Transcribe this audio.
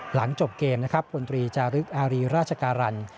หลังจบเกมนะครับพลตรีจารึกอารีราชการัน